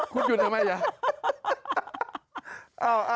คุณหยุดทำไมนะ